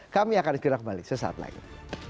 kami akan bergerak kembali sesaat lain